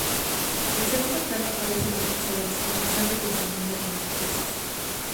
En segundo plano aparecen dos cazadores conversando y sosteniendo algunas presas.